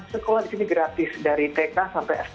sekolah di sini gratis dari tk sampai s tiga